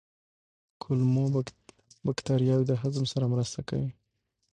کولمو بکتریاوې د هضم سره مرسته کوي.